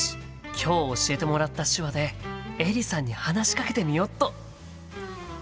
今日教えてもらった手話でエリさんに話しかけてみよっと！